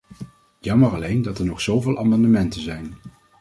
Jammer alleen dat er nog zoveel amendementen zijn.